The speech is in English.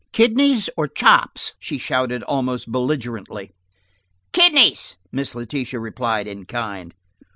"Kidneys or chops?" she shouted almost belligerently. "Kidneys," Miss Letitia replied in kind.